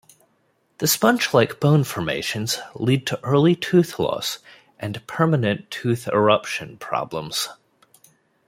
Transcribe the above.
The sponge-like bone formations lead to early tooth loss and permanent tooth eruption problems.